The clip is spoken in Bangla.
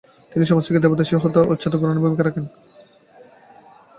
তিনি সমাজ থেকে দেবদাসী প্রথা উচ্ছেদে অগ্রণী ভূমিকা রেখেছেন।